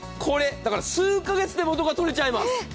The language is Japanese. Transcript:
だから数か月で元が取れちゃいます。